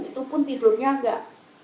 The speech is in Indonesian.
itu pun tidurnya gak